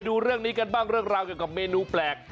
ดูเรื่องนี้กันบ้างเรื่องราวเกี่ยวกับเมนูแปลก